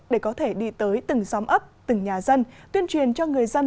để có thể đi tới từng xóm ấp từng nhà dân tuyên truyền cho người dân